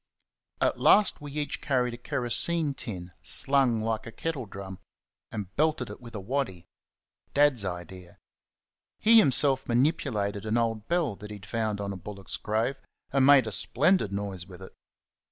At last we each carried a kerosene tin, slung like a kettle drum, and belted it with a waddy Dad's idea. He himself manipulated an old bell that he had found on a bullock's grave, and made a splendid noise with it.